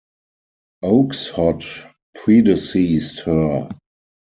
Oakeshott predeceased her.